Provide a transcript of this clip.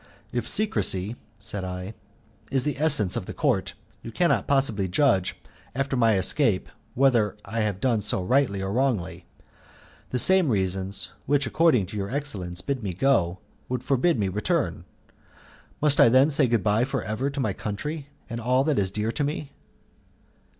"If secrecy," said I, "is of the essence of the Court, you cannot possibly judge, after my escape, whether I have done so rightly or wrongly. The same reasons, which, according to your excellence, bid me go, would forbid my return. Must I then say good bye for ever to my country, and all that is dear to me?"